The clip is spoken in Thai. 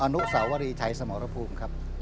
อนุสาวรีชัยสมรภูมิครับ